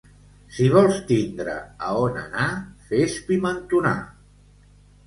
Si vols tindre a on anar, fes pimentonar.